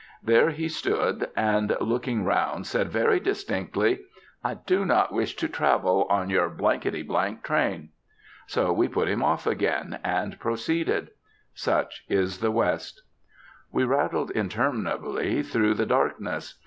There he stood, and looking round, said very distinctly, "I do not wish to travel on your train." So we put him off again, and proceeded. Such is the West. We rattled interminably through the darkness.